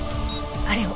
あれを。